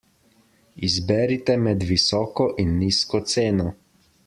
Izberite med visoko in nizko ceno.